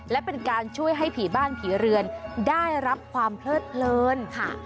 และเป็นการช่วยให้ผีบ้านผีเรือนได้รับความเพลิดเพลินค่ะ